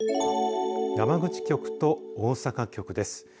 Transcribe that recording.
山口局と大阪局です。